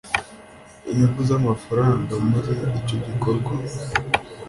inyungu z’amafaranga muri icyo gikorwa